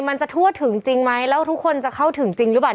มันจะทั่วถึงจริงไหมแล้วทุกคนจะเข้าถึงจริงหรือเปล่า